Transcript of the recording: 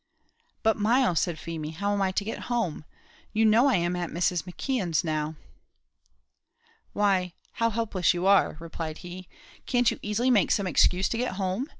"But, Myles," said Feemy, "how am I to get home? You know I am at Mrs. McKeon's now." "Why how helpless you are," replied he; "can't you easily make some excuse to get home?